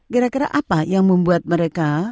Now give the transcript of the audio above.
kira kira apa yang membuat mereka